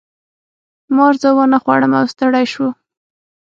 مار زه ونه خوړم او ستړی شو.